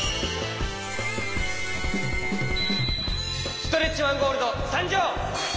ストレッチマンゴールドさんじょう！